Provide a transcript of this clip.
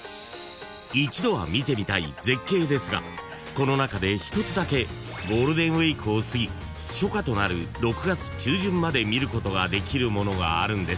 ［この中で１つだけゴールデンウイークを過ぎ初夏となる６月中旬まで見ることができるものがあるんです］